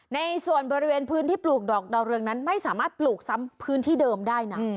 ในส่วนบริเวณพื้นที่ปลูกดอกดาวเรืองนั้นไม่สามารถปลูกซ้ำพื้นที่เดิมได้นะ